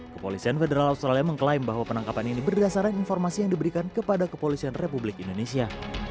kepolisian federal australia mengklaim bahwa penangkapan ini berdasarkan informasi yang diberikan kepada kepolisian republik indonesia